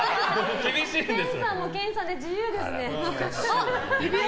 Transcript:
研さんも研さんで自由ですね。